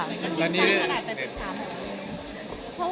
แล้วนี่จริงจังขนาดเป็นสาม